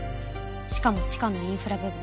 しかも地下のインフラ部分。